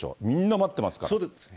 みんな待ってますから。